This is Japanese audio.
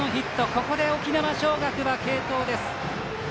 ここで沖縄尚学は継投です。